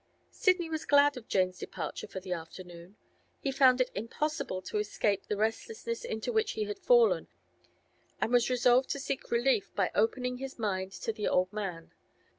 Sidney was glad of Jane's departure for the afternoon. He found it impossible to escape the restlessness into which he had fallen, and was resolved to seek relief by opening his mind to the old man.